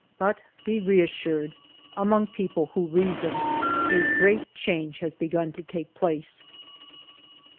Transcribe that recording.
But be reassured, among people who reason a great change has begun to take place."